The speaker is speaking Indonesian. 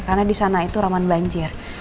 karena disana itu ramuan banjir